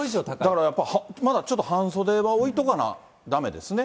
だからやっぱ、ちょっと半袖は置いとかなだめですね。